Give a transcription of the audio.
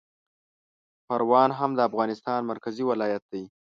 پروان هم د افغانستان مرکزي ولایت دی